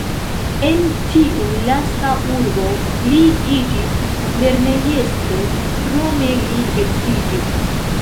En tiu lasta urbo li iĝis lernejestro, krome li edziĝis.